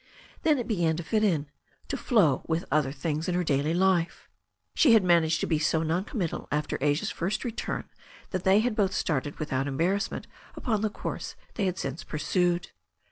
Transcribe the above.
Then it began to fit in, to flow along with other things in her daily life. She had managed to be so noncommittal after Asia's first return that they had both started without embarrassment upon the course they had since pursued.